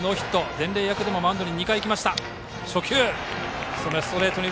伝令役でもマウンドへ２回行きました。